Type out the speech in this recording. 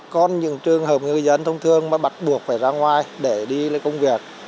còn những trường hợp người dân thông thường mà bắt buộc phải ra ngoài để đi là công việc